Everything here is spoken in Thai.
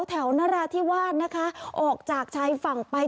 นราธิวาสนะคะออกจากชายฝั่งไป